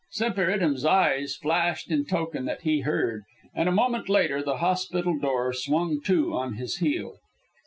Semper Idem's eyes flashed in token that he heard, and a moment later the hospital door swung to on his heel.